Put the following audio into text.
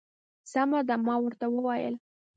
سمه ده. ما ورته وویل.